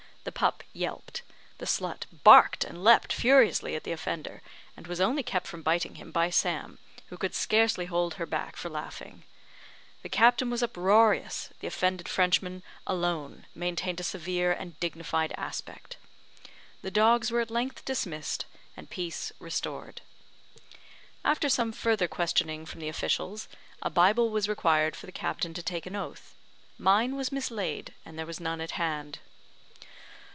The pup yelped; the slut barked and leaped furiously at the offender, and was only kept from biting him by Sam, who could scarcely hold her back for laughing; the captain was uproarious; the offended Frenchman alone maintained a severe and dignified aspect. The dogs were at length dismissed, and peace restored. After some further questioning from the officials, a Bible was required for the captain to take an oath. Mine was mislaid, and there was none at hand.